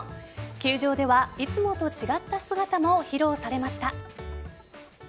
球場では、いつもと違った姿も披露されました。